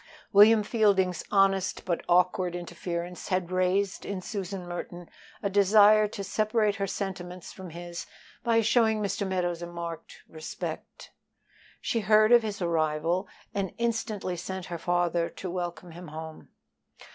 William Fielding's honest but awkward interference had raised in Susan Merton a desire to separate her sentiments from his by showing Mr. Meadows a marked respect. She heard of his arrival and instantly sent her father to welcome him home.